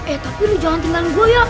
eh tapi lo jangan tinggalin gue ya